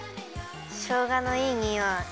しょうがのいいにおい。